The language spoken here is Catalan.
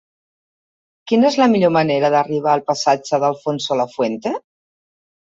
Quina és la millor manera d'arribar al passatge d'Alfonso Lafuente?